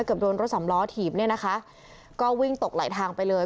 เกือบโดนรถสำล้อถีบเนี่ยนะคะก็วิ่งตกไหลทางไปเลย